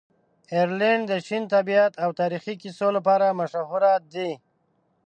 آیرلنډ د شین طبیعت او تاریخي کیسو لپاره مشهوره دی.